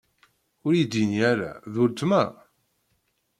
Ur iyi-d-inni ara: D ultma?